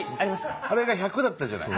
あれが１００だったじゃない？